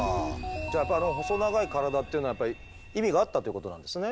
じゃああの細長い体っていうのはやっぱり意味があったということなんですね。